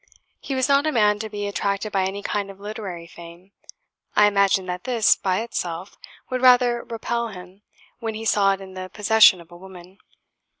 He was not a man to be attracted by any kind of literary fame. I imagine that this, by itself, would rather repel him when he saw it in the possession of a woman.